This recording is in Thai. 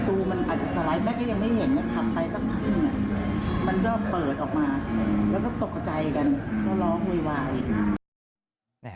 แล้วก็ตกใจกันเขาร้องโวยวาย